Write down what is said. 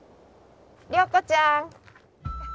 涼子ちゃん。